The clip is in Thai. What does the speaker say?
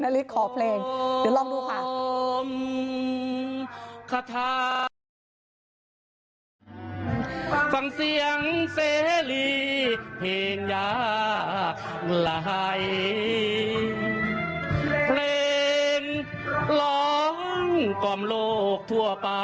ฤทธิขอเพลงเดี๋ยวลองดูค่ะ